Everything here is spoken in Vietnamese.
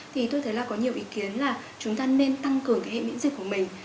tôi thấy có nhiều ý kiến là chúng ta nên tăng cường hệ miễn dịch của mình